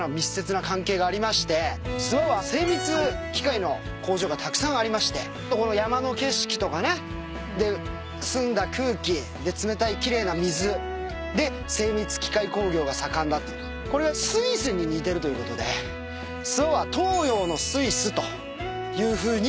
諏訪は精密機械の工場がたくさんありましてこの山の景色とかねで澄んだ空気で冷たい奇麗な水で精密機械工業が盛んだとこれはスイスに似てるということで諏訪は東洋のスイスというふうにえ